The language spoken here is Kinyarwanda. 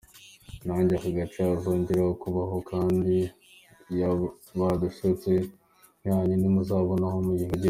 Nta gacaca uzongera kubaho kandi ya ” baradushutse” yanyu ntimuzabona aho muyivugira.